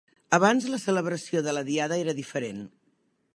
Abans la celebració de la Diada era diferent.